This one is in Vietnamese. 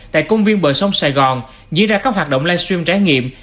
tại công viên bờ sông sài gòn dựa ra các hoạt động livestream trái nghiệm